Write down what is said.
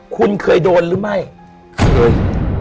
คุณเคยโดนหรือไม่เคย